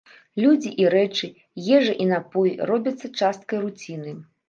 Людзі і рэчы, ежа і напоі робяцца часткай руціны.